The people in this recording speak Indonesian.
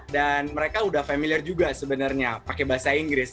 mereka udah familiar juga sebenarnya pakai bahasa inggris